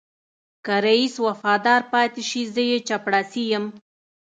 که رئيس وفادار پاتې شي زه يې چپړاسی یم.